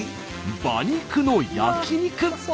馬肉の焼き肉。